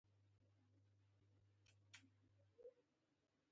هر څوک حق لري خپل قضیه مطرح کړي.